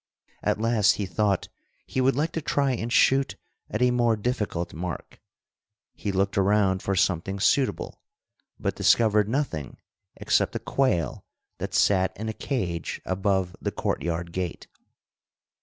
At last he thought he would like to try and shoot at a more difficult mark. He looked around for something suitable, but discovered nothing except a quail that sat in a cage above the courtyard gate.